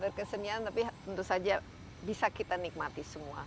berkesenian tapi tentu saja bisa kita nikmati semua